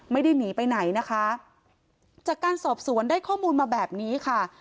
ไม่ได้หนีไปไหนนะคะจากการสอบสวนได้ข้อมูลมาแบบนี้ค่ะ